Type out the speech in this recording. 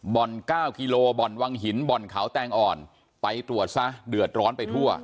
๙กิโลบ่อนวังหินบ่อนเขาแตงอ่อนไปตรวจซะเดือดร้อนไปทั่ว